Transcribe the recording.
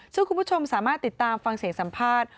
ซึ่งคุณผู้ชมสามารถติดตามฟังเสียงสัมภาษณ์